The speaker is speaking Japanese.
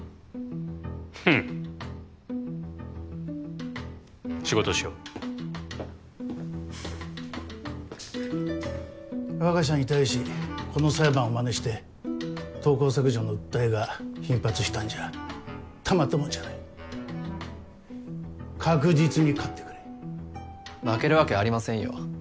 フン仕事しよう我が社に対しこの裁判をマネして投稿削除の訴えが頻発したんじゃたまったもんじゃない確実に勝ってくれ負けるわけありませんよ